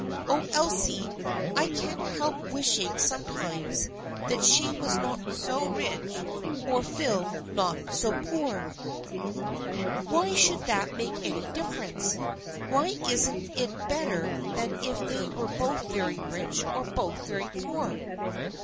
Oh, Elsie, I can't help wishing sometimes that she were not so rich, or Phil not so poor !" 326 THE FRIENDSHIP OF ANNE " Why should that make any difference ? Why isn't it better than if they were both very rich or both very poor?